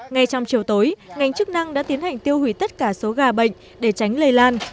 ngay trong chiều tối ngành chức năng đã tiến hành tiêu hủy tất cả số gà bệnh để tránh lây lan